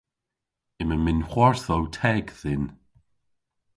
Yma minhwarthow teg dhyn.